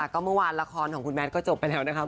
ก็เมื่อวานละครของคุณแมทก็จบไปแล้วนะคะ